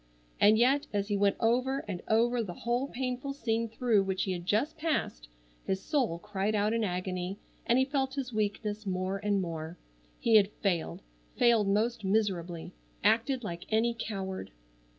And yet as he went over and over the whole painful scene through which he had just passed his soul cried out in agony and he felt his weakness more and more. He had failed, failed most miserably. Acted like any coward!